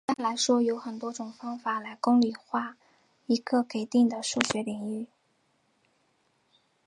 一般来说都有多种方法来公理化一个给定的数学领域。